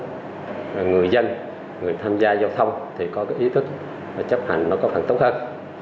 nhân dân người dân người tham gia giao thông thì có ý tức và chấp hành nó có phần tốt hơn